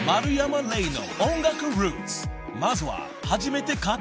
［まずは］